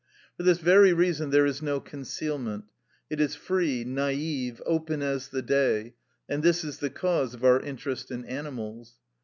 For this very reason there is no concealment; it is free, naïve, open as the day, and this is the cause of our interest in animals.